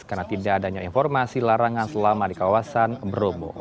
karena tidak adanya informasi larangan selama di kawasan bromo